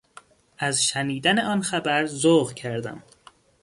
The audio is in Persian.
از شنیدن آن خبر ذوق کردم.